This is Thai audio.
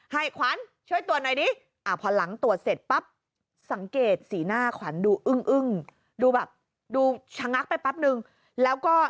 ตรวจเสร็จปั๊บสังเกตสีหน้าขวัญดูอึ้งดูแบบดูชะงักไปปั๊บนึงแล้วก็